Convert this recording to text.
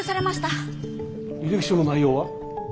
履歴書の内容は？